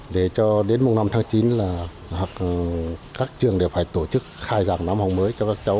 để cho đến mùng năm tháng chín là các trường đều phải tổ chức khai giảng năm học mới